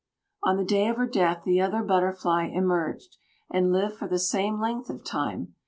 On the day of her death the other butterfly emerged, and lived for the same length of time.